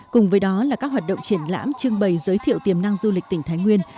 cùng với đó là các hoạt động triển lãm trưng bày giới thiệu tiềm năng du lịch tỉnh thái nguyên